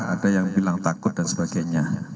ada yang bilang takut dan sebagainya